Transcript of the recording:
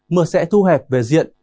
mưa sẽ thu hẹp về diện